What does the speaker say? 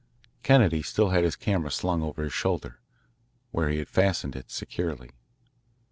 Kennedy still had his camera slung over his shoulder, where he had fastened it securely.